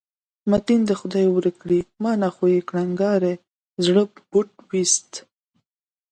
متین دې خدای ورک کړي، ما نه خو یې کړنګاري زړه بوټ وویست.